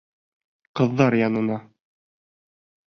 Ҡыҙҙар янына.